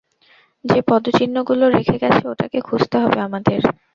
যে পদচিহ্নগুলো রেখে গেছে ওটাকে খুঁজতে হবে আমাদের।